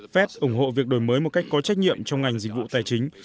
fed ủng hộ việc đổi mới một cách có trách nhiệm trong ngành dịch vụ tài chính